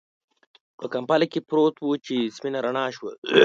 په کمپله کې پروت و چې سپينه رڼا شوه.